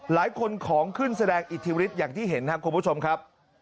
หลายคนของขึ้นแสดงอิทธิฤทธิอย่างที่เห็นครับคุณผู้ชมครับ